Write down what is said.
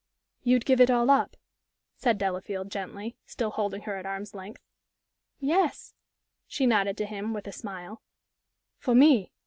"You'd give it all up?" said Delafield, gently, still holding her at arm's length. "Yes," she nodded to him, with a smile. "For me?